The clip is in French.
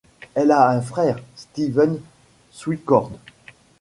Elle a un frère, Steven Swicord.